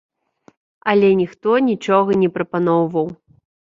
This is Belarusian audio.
Але ніхто нічога не прапаноўваў.